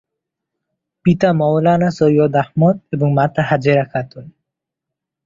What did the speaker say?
পিতা মাওলানা সৈয়দ আহমদ এবং মাতা হাজেরা খাতুন।